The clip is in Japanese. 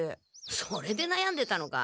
それでなやんでたのか。